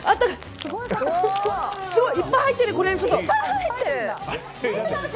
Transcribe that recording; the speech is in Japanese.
すごい、いっぱい入ってる。